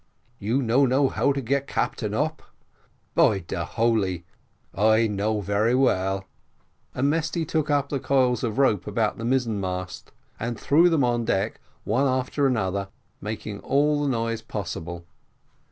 "You no know how to get captain up? By de holy, I know very well." And Mesty took up the coils of rope about the mizzen mast, and threw them upon deck, one after another, making all the noise possible.